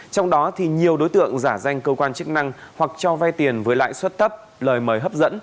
trong đó thì nhiều đối tượng giả danh cơ quan chức năng hoặc cho vai tiền với lại xuất tấp lời mời hấp dẫn